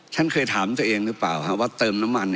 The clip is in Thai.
ฉันเคยถามตัวเองหรือเปล่าว่าเติมน้ำมัน